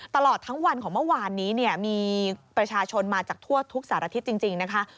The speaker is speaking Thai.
ตลอดทั้งวันของเมื่อวานนี้เนี่ยมีประชาชนมาจากทั่วทุกสารทิศจริงนะคะ